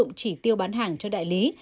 không chỉ tiêu bán hàng cho đại lý